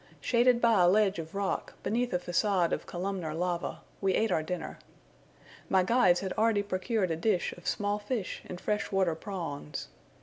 Shaded by a ledge of rock, beneath a facade of columnar lava, we ate our dinner. My guides had already procured a dish of small fish and fresh water prawns.